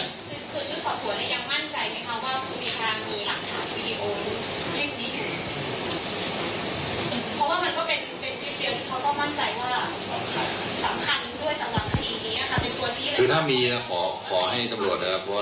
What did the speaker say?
ส่วนชื่อขอบคุณเนี่ยยังมั่นใจไหมครับว่ามีทางมีหลักถามวิดีโอหรือเรื่องนี้